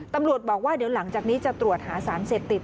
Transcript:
ตำรวจบอกว่าเดี๋ยวหลังจากนี้จะตรวจหาสารเสพติด